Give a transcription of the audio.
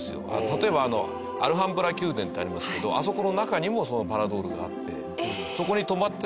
例えばアルハンブラ宮殿ってありますけどあそこの中にもそのパラドールがあって。